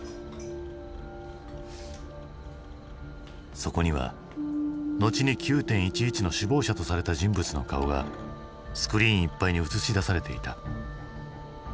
そこには後に９．１１の首謀者とされた人物の顔がスクリーンいっぱいに映し出されていた。